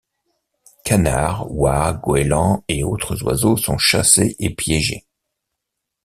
Canards, oies, goélands et autres oiseaux sont chassés et piégés.